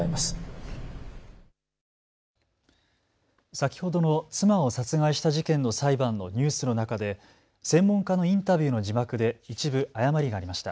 先ほどの妻を殺害した事件の裁判のニュースの中で専門家のインタビューの字幕で一部誤りがありました。